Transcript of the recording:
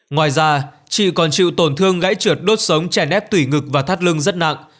ngoài ra chị còn chịu tổn thương gãy trượt đốt sống chèn ép tủy ngực và thắt lưng rất nặng